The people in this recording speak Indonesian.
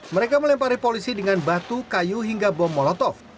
mereka melempari polisi dengan batu kayu hingga bom molotov